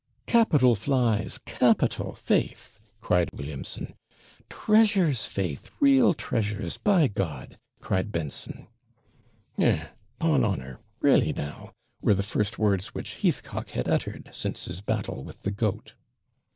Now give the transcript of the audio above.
'Capital flies! capital, faith!' cried Williamson. 'Treasures, faith, real treasures, by G !' cried Benson. 'Eh! 'pon honour! re'lly now,' were the first words which Heathcock had uttered since his battle with the goat.